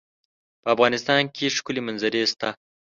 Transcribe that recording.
په افغانستان کې ښکلي منظرې شته.